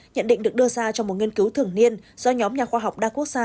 nhận định được đưa ra trong một nghiên cứu thường niên do nhóm nhà khoa học đa quốc gia